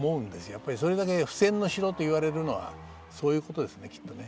やっぱりそれだけ不戦の城と言われるのはそういうことですねきっとね。